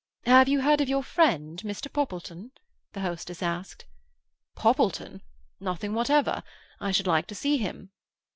"Have you heard of your friend Mr. Poppleton?" the hostess asked. "Poppleton? Nothing whatever. I should like to see him."